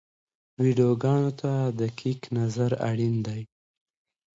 ویډیوګانو ته دقیق نظر اړین دی.